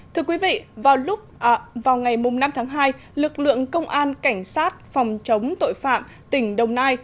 thưa quý vị vào lúc vào ngày năm tháng hai lực lượng công an cảnh sát phòng chống tội phạm tỉnh đồng nai